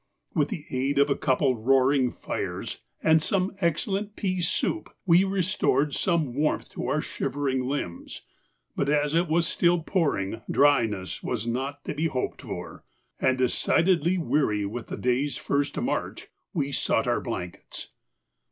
With the aid of a couple of roaring fires and some excellent pea soup we restored some warmth to our shivering limbs, but, as it was still pouring, dryness was not to be hoped for, and decidedly weary with the first day's march, we sought our blankets.